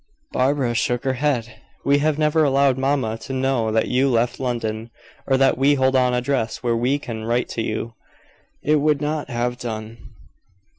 Barbara shook her head. "We have never allowed mamma to know that you left London, or that we hold an address where we can write to you. It would not have done."